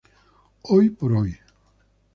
Hoy por Hoy.